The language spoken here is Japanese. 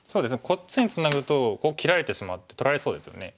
こっちにツナぐとここ切られてしまって取られそうですよね。